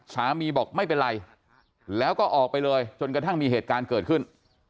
สามีบอกไม่เป็นไรแล้วก็ออกไปเลยจนกระทั่งมีเหตุการณ์เกิดขึ้น